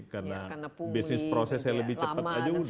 karena bisnis prosesnya lebih cepat aja udah